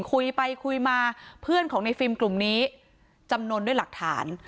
คุยไปคุยมาเพื่อนของในฟิล์มกลุ่มนี้จำนวนด้วยหลักฐาน